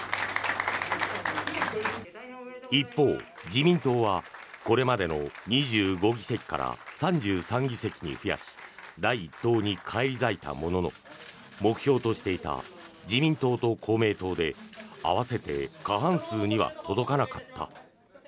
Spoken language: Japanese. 一方、自民党はこれまでの２５議席から３３議席に増やし第１党に返り咲いたものの目標としていた自民党と公明党で合わせて過半数には届かなかった。